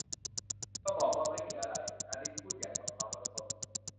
ก็บอกว่าไม่มีอะไร ! อลิสพูดอย่างหมดความอดทน